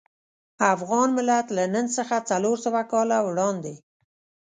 افغان ملت له نن څخه څلور سوه کاله وړاندې.